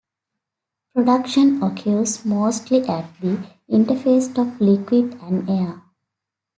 Production occurs mostly at the interface of liquid and air.